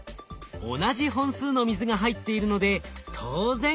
同じ本数の水が入っているので当然同じ重さ。